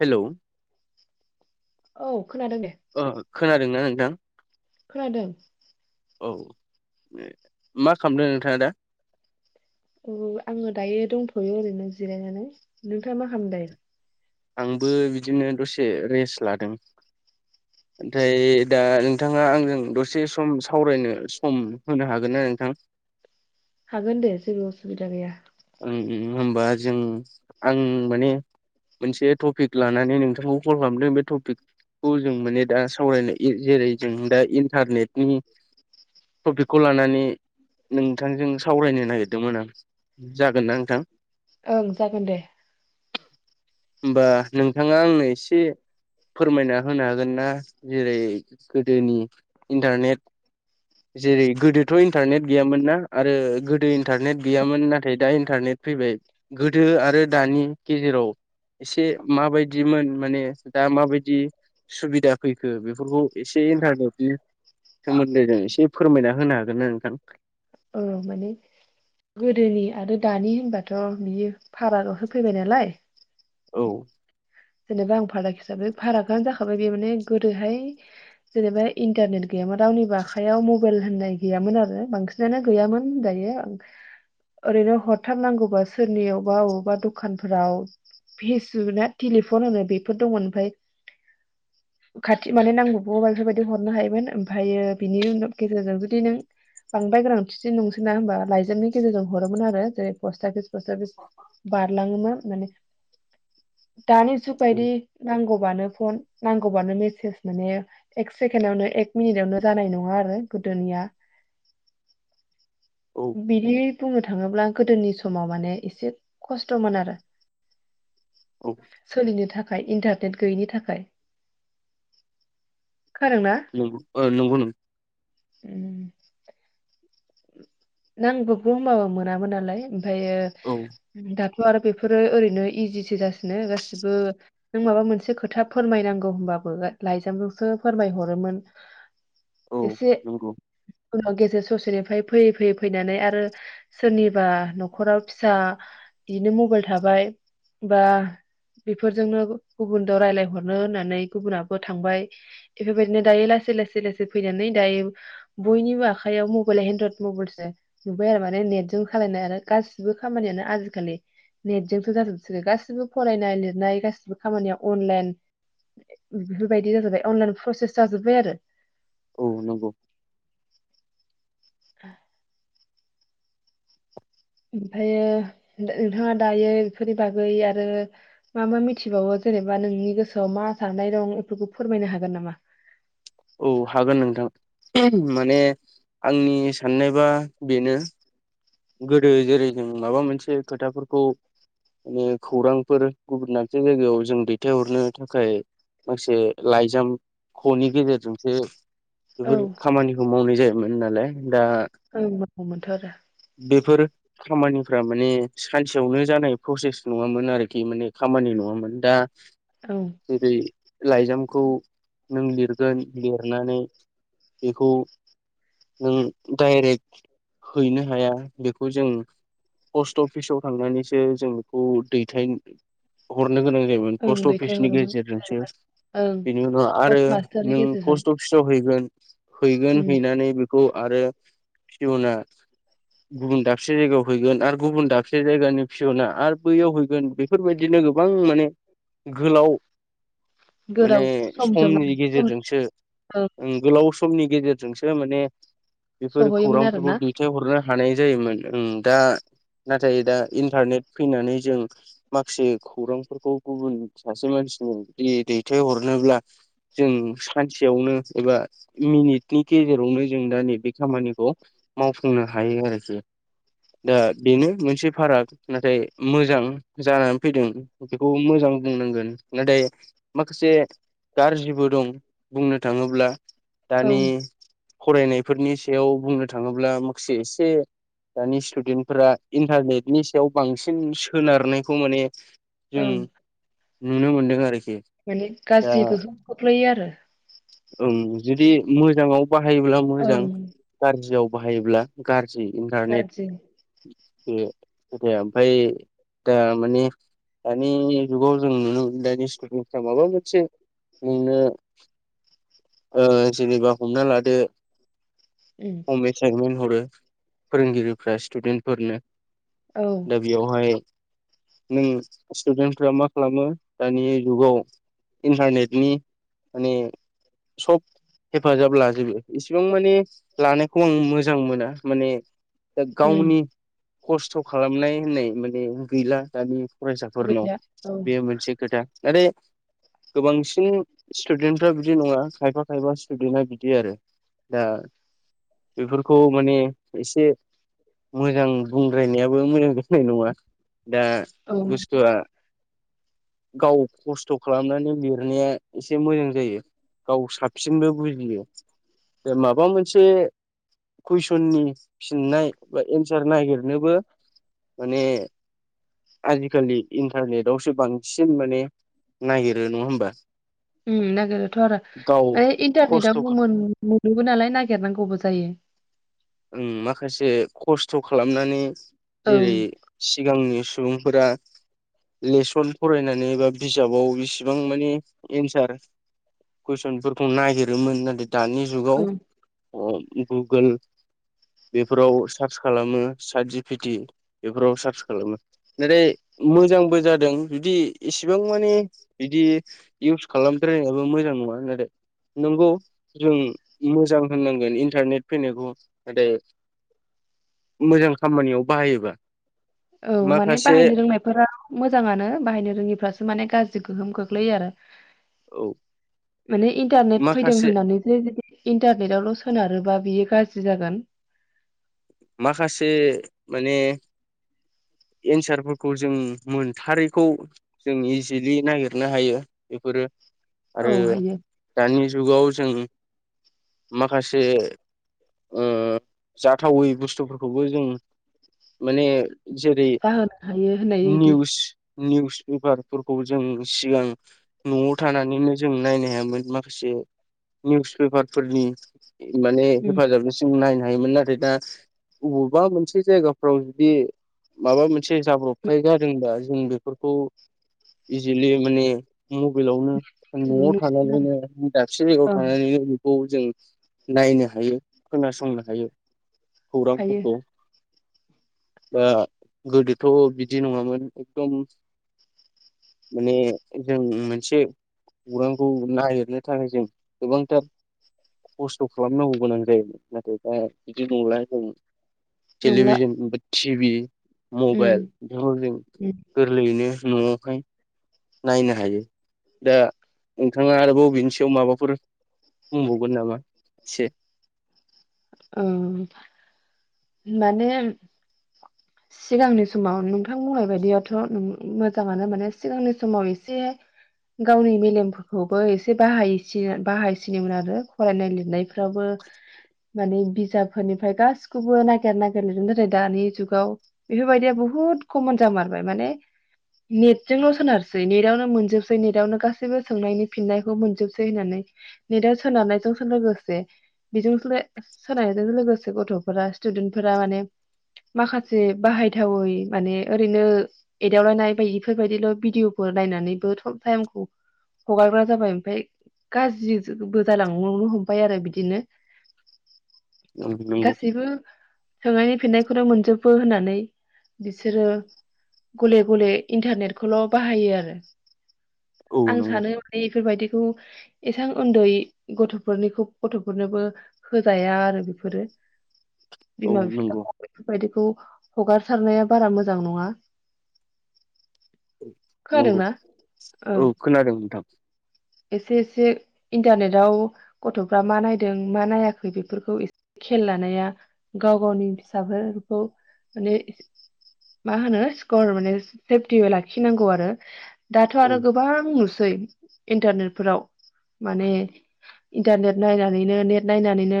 Hello औ खोनादों दे ओ खोनादोंना नोंथां खोनादों औ मा खालामदों नोंथाङा दा अ आङो दायो दंथयो ओरैनो जिरायनानै नोंथाङा मा खालामदों? आंबो बिदिनो दसे रेस लादों‌। ओनथाय दा नोंथाङा आंजों दसे सम सावरायनो सम होनो हागोन ना नोंथां हागोन दे जेबो उसुबिदा गैया उम उम होमबा जों आं माने मोनसे टपिक लानानै नोंथांखौ कल खालामदों बे टपिकखौ जों माने दा सावरायनो इ जेरै जों दा इन्टारनेटनि टपिकखौ लानानै नोंथांजों सावरायनो नागिरदोंमोन आं जागोन ना नोंथां ओं जागोन दे होमबा नोंथाङा आंनो एसे फोरमायना होनो हागोन ना जेरै गोदोनि इन्टारनेट जेरै गोदोथ इन्टारनेट गैयामोन ना आरो गोदो इन्टारनेट गैयामोन नाथाय दा इन्टारनेट फैबाय गोदो आरो दानि गेजेराव एसे माबायदिमोन माने दा माबायदि सुबिदा फैखो बेफोरखौ एसे इन्टारनेटनि सोमोन्दै जों एस से फोरमायना होनो हागोन ना नोंथां। औ माने गोदोनि आरो दानि होनबाथ बियो फारागआवसो फैबाय नालाय औ जेनेबा आं फाराग हिसाबै फारागआनो जाखाबाय बे माने गोदोहाय जेनेबा इन्टारनेट गैयाबा रावनिबो आखायाव मबाइल होननाय गैयामोन आरो बांसिनानो गैयामोन होनजायो ओं ओरैनो हरथारनांगौबा सोरनियावबा अबावबा दखानफ्राव पि सि अ ना टेलिफन होनो बेफोर दंमोन ओमफाय खाथि माने नांब्रबगौबा बेफोरबायदि हरनो हायोमोन ओमफायो बिनि उनाव गेजेरजों जुदि नों बांद्राय गोनांथि नंसोना होमबा लाइजामनि गेजेरजों हरोमोन आरो जेरै पस्ट थाफिस [unintelligible] बारलाङोमोन माने दानि जुग बायदि नांगौबानो फन नांगौबानो मेसेज माने एक सेकेणडावनो एक मिनिटावनो जानाय नङा आरो गोदोनिया औ बिदि बुंनो थाङोब्ला गोदोनि समाव माने एसे खस्थमोन आरो औ सोलिनो था खाय इन्टारनेट गैयैनि थाखाय खोनादोंना नोंगौ ओ नोंगौ नोंथां उम नांबबगौ होनबाबो मोनामोन नालाय उम ओमफायो औ दाथ थ आरो बेफोरो ओरैनो इजिसो जासिनो गासिबो नों माबा मोनसे खोथा फोरमायनांगौ होमबाबो लाइजामजोंसो फोरमाय हरोमोन औ एसे नंगौ उनाव गेजेर ससेनिफ्राय फैयै फैयै फैनानै आरो सोरनिबा नखराव फिसा बिदिनो मबाइल थाबाय बा बेफोरजोंनो गु-गुबुन दो रायलायहरनो होननानै गुबुनाबो थांबाय बेफोरबायदिनो दायो लासै लासै लासै फैनानै दायो बयनिबो आखाइयाव मबाइल एन्द्रद मबाइलसो नुबाय आरो माने नेटजों खालायनाय आरो गासिबो खामानियानो आजिखालि नेटजोंसो जाजोबसै गासिबो फरायनाय लिरनाय गासिबो खामानिया अनलाइन बेफोरबायदि जाजोब्बाय अनलाइन प्रसेस जाजोबबाय आरो औ नोंगौ [unintelligible] ओमफायो नो-नोंथाङा दायो बेफोरनि बागै आरो मा मा मिथिबावो जेनेबा नोंनि गोसोआव मा साननाय दं बेफोरखौ फोरमायनो हागोन नामा औ हागोन नोंथां माने आंनि साननायबा बेनो गोदो जेरै जों माबा मोनसे खोथाफोरखौ माने खौरांफोर गुबुन मोनसे जायगायाव जों दैथायहरनो थाखाय माखासे लाइजाम खनि गेजेरजोंसो औ बेफोर खामानिखौ मावनाय जायो मोनोनालाय दा मोनथ आरो बेफोर खामानिफ्रा माने सानसेयावनो जानाय प्रसेस नङामोन आरोखि माने खामानि नङामोन दा ओं जेरै लाइजामखौ नों लिरगोन लिरनानै बेखौ नों डाइरेक्ट हैनो हाया बेखौ जों पस्त अफिसाव थांनानैसो जों बेखौ दैथाय हर हरनो गोनां जायोमोन ओं पस्ट अफिसनि दैथायहरोमोन गेजेरजोंसो ओं बेनि उनाव आरो पस्ट मास्टारनि नों गेजेरजों पस्ट अफिसाव हैगोन [inaudible] हैगोन उम हैनानै बे खौ आरो खेवना गुबुन दाबसे जायगायाव हैगोन आरो गुबुन दाबसे जायगानि फियना आरो बैयाव हैगोन बेफोरबायदिनो गोबां माने गोलाव माने गोराव समजों समनि सम गेजेरजोंसो ओं ओम गोलाव सम समनि गेजेरजोंसो माने बेफोर सहैयोमोन खौरांफोरखौ आरोना दैथाय दा हानाय जायोमोन ओम दा नाथाय दा इन्टारनेट फैनानै जों माखासे खौरांफोरखौ गुबुन सासे मानसिनो जि दैथायहरनोब्ला जों सानसेयावनो एबा मिनिटनि गेजेरावनो जों दा नैबे खामानिखौ मावफुंनो हायो आरोखि दा बेनो मोनसे फाराग नाथाय मोजां जानानै फैदों बेखौ मोजां बुंनांगोन नाथाय माखासे गाज्रिबो दं बुंनो थाङोब्ला। दानि ओं फरायनायफोरनि सायाव बुंनो था थाङोब्ला माखासे एसे दानि स्टुडेन्टफोरा इन्टारनेटनि सायाव बांसिन सोनारनायखौ माने औ। जों नुनो मोनदों आरो माने गाज्रि गोहोम खोख्लैयो आरो ओं जुदि मोजाङाव। बाहायोब्ला मोजां ओं गाज्रियाव बाहायोब्ला गार जि इन्टारनेट गाज्रि बे खोथाया ओमफ्राय दा माने दानि जुगाव जों नुनो मोनो दानि स्कुलनिफ्रा माबा मोनसे नुनो ओ जेनेबा हमना लादो उम हम एसाइमेन्ठ हरो फोरोंगिरिफ्रा स्टुडेन्टफोरनो। औ दा बेयावहाय नों स्टुडेन्टफ्रा मा खालामो दानि जुगाव इन्टारनेटनि माने सब हेफाजाब लाजोबो इसिबां माने लानायखौ आं मोजां मोना माने दा उम गावनि खस्थ खालामनाय होननाय माने गैला दानि फरायसाफोरनाव गैला औ बेयो मोनसे खोथा। नाथाय गोबांसिन खायफा खायफा स्टुदेन्टआ बिदि आरो दा बेफोरखौ माने एसे मोजां बुंद्रायनायाबो मोजां नाय नङा दा औ उम बुस्थुआ गाव खस्थ खालामनानै लिरनाया एसे मोजां जायो। गाव साबसिनबो बुजियो दा माबा मोनसे कुइसननि फिननाय बा एन्सार नागिरनोबो माने आजिखालि इन्टारनेटआवसो बांसिन माने नागिरो नङा होमबा? ओम नागेरो थ आरो गाव ओइ इन्टारनेटाव खस्थ' गुमुर मोनोबो नालाय नागिरनांगौबो जायो। ओम माखासे खस्थ खालामनानै ओं जेरै सिगांनि सुबुंफोरा लेसन फरायनानै बा बिजाबाव बिसिबां माने एन्सार कुइसनफोरखौ नागिरोमोन नाथाय दानि जुगाव ओं ओ गुगोल बेफोराव सार्च खालामो सात जि पिटि बेफोराव सार्च खालामो नाथाय मोजांबो जादों जुदि इसेबां माने बिदि इउस खालामद्रायनायाबो मोजां नङा नाथाय नंगौ जों मोजां होननांगोन इन्टारनेट फैनायखौ। नथाय मोजां खामानियाव बाहायोबा औ माने माखासे बाहायनो रोंनायफोरा मोजाङानो बाहायनो रोङिफ्रासो माने गाज्रि गोहोम खोख्लैयो आरो औ माने इन्टारनेट फैदों माखासे होननानै जे इन्टारनेटावल सोनारो बा बियो गाज्रि जागोन माखासे माने एन्सारफोरखौ जों मोनथारैखौ जों इजिलि नागिरनो हायो बेफोरो औ आरो हायो दानि जुगाव जों माखासे ओ जाथावै बुस्थुफोरखौबो जों माने जेरै जाहोनो हायो होननाय बायदि निउस निउस पेपारफोरखौ जों सिगां नआव थानानैनो जों नायनो हायामोन माखासे निउस पेपारफोरनि माने उम हेफाजाबनिसिम नाय हायोमोन नाथाय दा बबावबा मोनसे जायगाफ्राव जुदि माबा मोनसे एसे जाब्रबथाय जादों दा जों बेफोरखौ इजिलि माने मबाइलावनो नआव नुसिगोन थानानैनो दाबसे जायगायाव आरो औ थानानैनो खौ जों नायनो हायो खोनासंनो हायो हायो खौरांफोरखौ दा गोदोथ बिदि नङामोन एकदम माने जों मोनसे खौरांखौ नागिरनो थाखाय जों गोबांथार खस्थ खालामनांगौ गोनां जायोमोन नाथाय दा बिदि नंला औ [unintelligible] नंला थिबि उम मबाइल बेखौ जों उम गोरलैयैनो नुआखाय नायनो हायो दा नोंथाङा आरोबाव बेनि सायाव माबाफोर बुंबावगोन नामा एसे औ माने सिगांनि समाव नोंथां बुंनाय बायदियाथ मोजाङानो माने सिगांनि समाव एसे गावनि मेलेमफोरखौबो एसे बाहाय बाहायसिनोमोन आरो फरायनाय लिरनायफ्रावबो माने बिजाबफोरनिफ्राय गासिखौबो नागिर नागिर लिरो दानि जुगाव बेफोरबायदिया बहुद कमन जामारबाय माने नेटजोंल सोनारसै नेटआवनो मोनजोबसै नेटावनो गासैबो सोंनायनि फिननायखौ मोनजोबसै होननानै नेटाव सोनारनायजोंसो लोगोसे बेजोंस सोनायजों लोगोसे गथफोरा स्टुदेन्ट फोर माने माखासे बाहायथावै माने ओरैनो एदावलायनाय बायदिफोरबायदि भिदिअफोर नायनानैबो टाइमखौ हगारग्रा जाबाय ओमफफ्राय गाज्रिबो जालांनो हमबाय आरो बिदिनो नंगौ गासैबो सोंनायनि फिननायखौनो मोनजोबो होननानै बिसोरो गले गले इन्टारनेटखौल बाहायो आरो औ आं नंगौ सानो माने बेफोरबायदिखौ एसेबां उन्दै गथफोरनिखौ गथफोरनोबो होजाया आरो बेफोरो औ बिमा नंगौ बिफाखौ बेफोरबायदिखौ हगारसारनाया बारा मोजां नङा नंगौ खोनादोंना औ ओं खोनादों नोंथां [inaudible] एसे एसे इन्टारनेटाव गथफ्रा मा नायदों मा नायाखै बेफोरखौ एसे खेल लानाया गाव गावनि फिसाफोरखौ माने मा होनो सिकर माने सेफटि लाखिनांगौ आरो दाथ औ आरो गोबां नुसै [unintelligible] इन्टारनेट फोराव माने इन्टारनेट नायनानैनो नेट नायनानैनो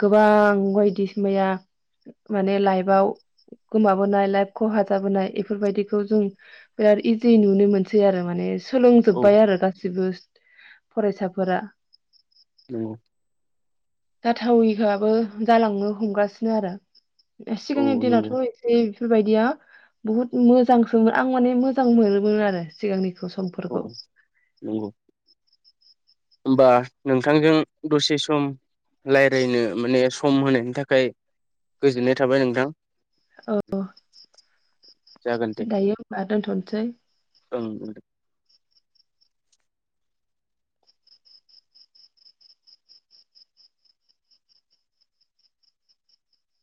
गोबां बायदिसिनाया माने लाइफआव गोमाबोनाय लाइफ खहााजाबोनाय बेफोरबायदिखौ जों बिराद इजि नुनो मोनसै आरो माने औ सोलोंजोबबाय आरो गा गासिबो फरायसाफोरा नंगौ जाथावैहाबो जालांनो हमगासिनो आरो औ सिगांनि दिनावथ नंगौ एसे बेफोरबायदिया बुहुत मोजांसोमोन आं माने मोजां मोनोमोन आरो सिगांनिखौ सम औ नंगौ होमबा नोंथांजों दसे सम रायलायनो माने सम होनायनि थाखाय गोजोननाय थाबाय नोंथां औ जागोन दे दायो होनबा दोनथनसै ओं ओं